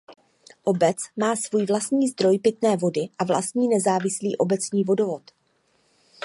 Obec má svůj vlastní zdroj pitné vody a vlastní nezávislý obecní vodovod.